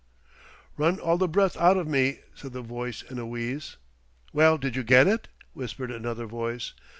"Run all the breath out of me," said the voice in a wheeze. "Well, did you get it?" whispered another voice.